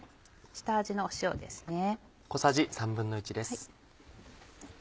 下味の塩ですね。